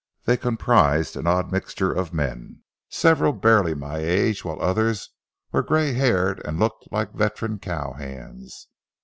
They comprised an odd mixture of men, several barely my age, while others were gray haired and looked like veteran cow hands.